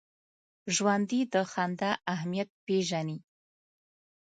ژوندي د خندا اهمیت پېژني